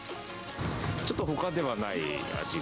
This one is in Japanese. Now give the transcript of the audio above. ちょっとほかではない味が。